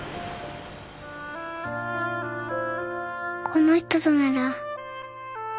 この人となら。